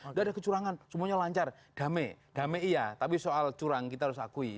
sudah ada kecurangan semuanya lancar damai damai iya tapi soal curang kita harus akui